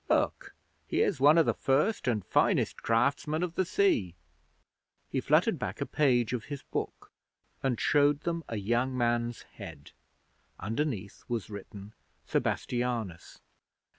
Look! Here's one of the first and finest craftsmen of the Sea!' He fluttered back a page of his book, and showed them a young man's head. Underneath was written: 'Sebastianus.'